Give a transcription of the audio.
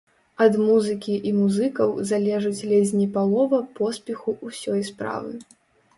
Ад музыкі і музыкаў залежыць ледзь не палова поспеху ўсёй справы!